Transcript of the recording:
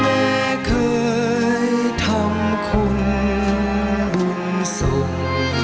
แม้เคยทำคุณบุญส่ง